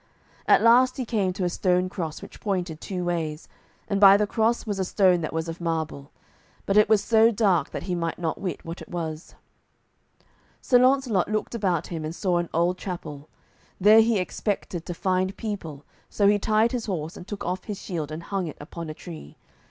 At last he came to a stone cross, which pointed two ways, and by the cross was a stone that was of marble; but it was so dark that he might not wit what it was. Sir Launcelot looked about him, and saw an old chapel. There he expected to find people, so he tied his horse, and took off his shield and hung it upon a tree.